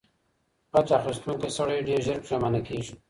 غچ اخیستونکی سړی ډیر ژر پښیمانه کیږي.